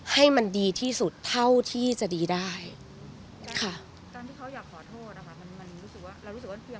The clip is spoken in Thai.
ให้มันดีที่สุดเท่าที่จะดีได้ค่ะต้องที่เขาอยากขอโทษอ่ะค่ะ